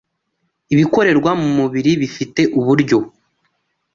ibikorerwa mu mubiri bifite uburyo